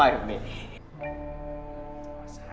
masang rendang sama es gula batu satu